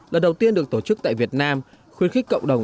lần đầu tiên được tổ chức tại việt nam khuyến khích cộng đồng